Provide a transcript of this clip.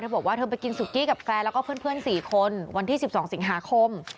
บอกว่าเธอไปกินสุกี้กับแฟนแล้วก็เพื่อน๔คนวันที่๑๒สิงหาคม